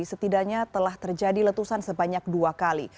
setidaknya telah terjadi letusan sebanyak dua kali